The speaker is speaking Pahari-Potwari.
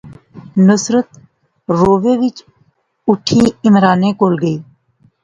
نصرت رووہے وچ اوٹھی عمرانے کول گئی